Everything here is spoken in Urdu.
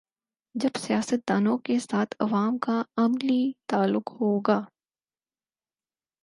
جب سیاست دانوں کے ساتھ عوام کا عملی تعلق ہو گا۔